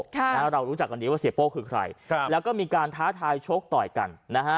แล้วเรารู้จักกันดีว่าเสียโป้คือใครแล้วก็มีการท้าทายโชคต่อยกัน